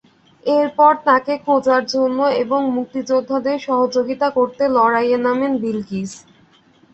এরপর তাঁকে খোঁজার জন্য এবং মুক্তিযোদ্ধাদের সহযোগিতা করতে লড়াইয়ে নামেন বিলকিস।